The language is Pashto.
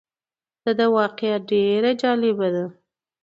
دده واقعه ډېره جالبه ده.